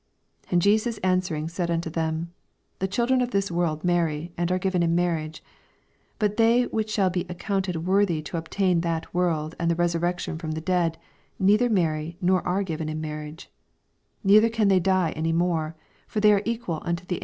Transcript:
84 And Jesus answering said unto them, The children of this world marry, and are riven in marriage : 85 But they which shall be account ed worthy to obtain that world and the resurrection from the dead, neither marry, nor are given in marnage : 86 IN either oan they die any more : for they are equal unto the.